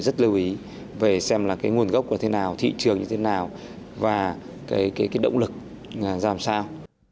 rất lưu ý về xem là cái nguồn gốc của thế nào thị trường như thế nào và cái động lực ra làm sao